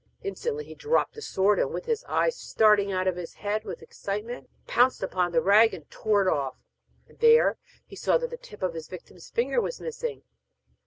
Instantly he dropped the sword, and, with his eyes starting out of his head with excitement, pounced upon the rag and tore it off, and there he saw that the tip of his victim's finger was missing.